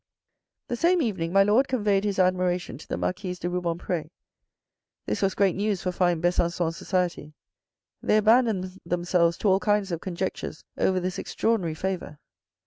The same evening, my Lord conveyed his admiration to the Marquise de Rubempre. This was great news for fine Besancon society. They abandoned themselves to all kinds of conjectures over this extraordinary favour.